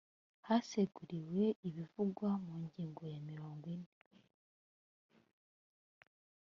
haseguriwe ibivugwa mu ngingo ya mirongo ine.